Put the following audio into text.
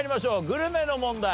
グルメの問題。